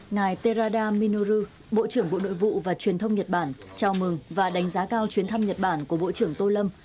ngài tra minu bộ trưởng bộ nội vụ và truyền thông nhật bản chào mừng và đánh giá cao chuyến thăm nhật bản của bộ trưởng tô lâm